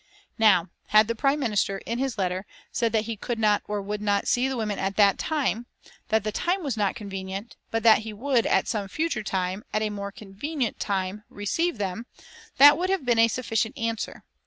Now, had the Prime Minister, in his letter, said that he could not or would not see the women at that time, that the time was not convenient; but that he would at some future time, at a more convenient time, receive them, that would have been a sufficient answer.